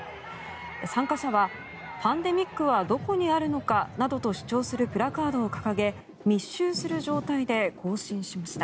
参加者は「パンデミックはどこにあるのか」などと主張するプラカードを掲げ密集する状態で行進しました。